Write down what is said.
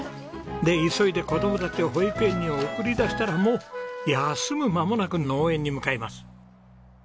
で急いで子供たちを保育園に送り出したらもう休む間もなく農園に向かいます。